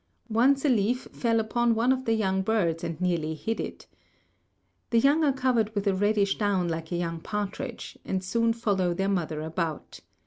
Once a leaf fell upon one of the young birds and nearly hid it. The young are covered with a reddish down like a young partridge, and soon follow their mother about.